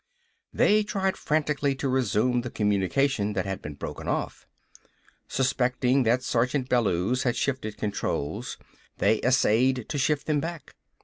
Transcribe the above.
They tried frantically to resume the communication that had been broken off. Suspecting that Sergeant Bellews had shifted controls, they essayed to shift them back.